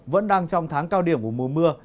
vẫn đang trong tháng cao điểm của mùa mưa